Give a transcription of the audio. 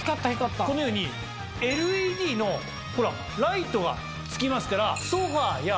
このようにＬＥＤのライトがつきますから。